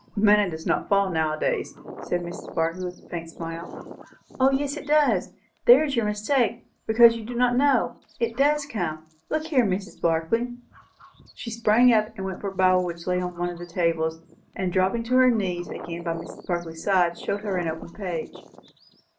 "Manna does not fall now a days," said Mrs. Barclay with a faint smile. "O yes, it does! There is your mistake, because you do not know. It does come. Look here, Mrs. Barclay " She sprang up, went for a Bible which lay on one of the tables, and, dropping on her knees again by Mrs. Barclay's side, showed her an open page.